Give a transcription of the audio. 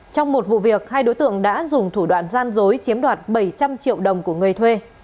trong một vụ việc hai đối tượng đã dùng thủ đoạn gian dối chiếm đoạt bảy trăm linh triệu đồng của người thuê